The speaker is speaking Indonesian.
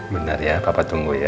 bener ya papa tunggu ya